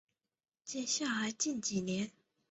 接下来近几年